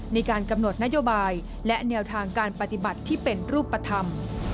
ในการกำหนดนโยบายและแนวทางการปฏิบัติที่เป็นรูปธรรม